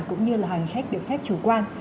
cũng như là hành khách được phép chủ quan